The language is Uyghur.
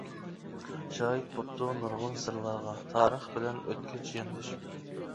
شاھىت بوپتۇ نۇرغۇن سىرلارغا، تارىخ بىلەن ئۆتكەچ ياندىشىپ.